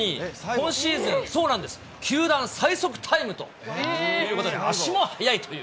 今シーズン、球団最速タイムということで、足も速いという。